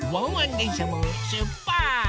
でんしゃもしゅっぱつ！